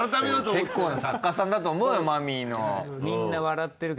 結構な作家さんだと思うよマミィの。